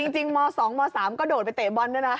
จริงม๒ม๓กระโดดไปเตะบอลด้วยนะ